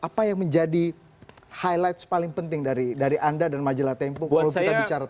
apa yang menjadi highlight paling penting dari anda dan majelat tempuh